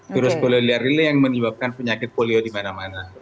virus polioler ini yang menyebabkan penyakit polio di mana mana